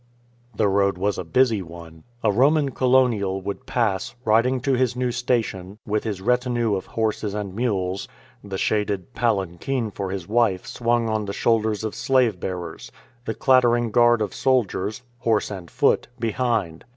The road was a busy one. A Roman colonial would pass, riding to his new station, with his retinue of horses and mules ; the shaded palanquin ^ for his wife swung on the shoulders of slave bearers; the clatter ing guard of soldiers — horse and foot — behind.